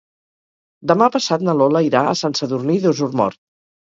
Demà passat na Lola irà a Sant Sadurní d'Osormort.